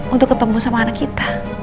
untuk ketemu sama anak kita